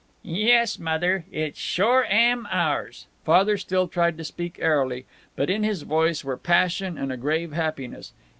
"Yes, Mother, it sure am ours." Father still tried to speak airily, but in his voice were passion and a grave happiness.